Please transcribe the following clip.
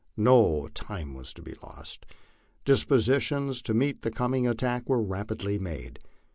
No time was to be lost. Dispositions to meet the coming attack were rapidly made.